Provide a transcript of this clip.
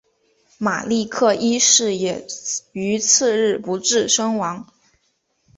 马立克一世也于次日不治身亡。